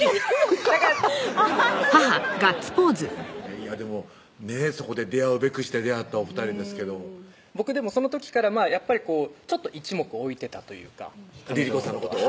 こうやってでもねそこで出会うべくして出会ったお２人ですけど僕でもその時からやっぱりちょっと一目置いてたというかＲｉｒｉｃｏさんのことを？